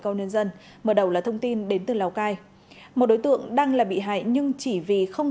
cao nhân dân mở đầu là thông tin đến từ lào cai một đối tượng đang là bị hại nhưng chỉ vì không